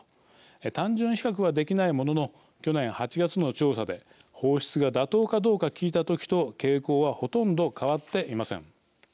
単純比較はできないものの去年８月の調査で放出が妥当かどうか聞いた時と傾向はほとんど変わっていません。